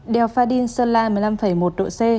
đèo pha đin sơn la một mươi năm một độ c